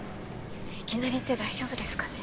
いきなり行って大丈夫ですかね